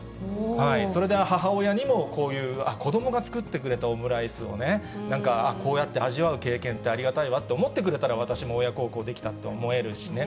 それで母親にもこういう、子どもが作ってくれたオムライスをね、なんかこうやって味わう経験ってありがたいわって思ってくれたら、私も親孝行できたと思えるしね。